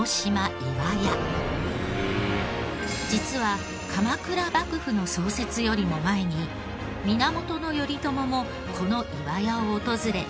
実は鎌倉幕府の創設よりも前に源頼朝もこの岩屋を訪れ戦勝祈願。